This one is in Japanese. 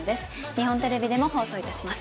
日本テレビでも放送いたします